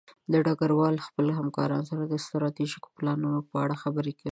ډګروال د خپلو همکارانو سره د ستراتیژیکو پلانونو په اړه خبرې کوي.